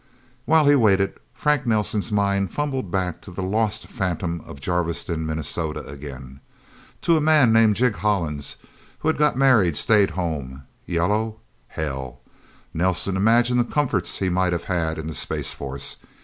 While he waited, Frank Nelsen's mind fumbled back to the lost phantom of Jarviston, Minnesota, again. To a man named Jig Hollins who had got married, stayed home. Yellow? Hell...! Nelsen imagined the comforts he might have had in the Space Force.